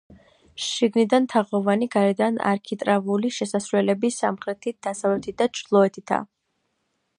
შიგნიდან თაღოვანი, გარედან არქიტრავული შესასვლელები სამხრეთით, დასავლეთით და ჩრდილოეთითაა.